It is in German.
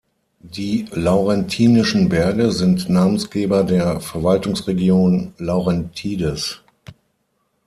Die laurentinischen Berge sind Namensgeber der Verwaltungsregion Laurentides.